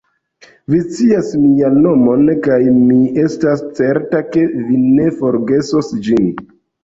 Vi scias mian nomon, kaj mi estas certa, ke vi ne forgesos ĝin.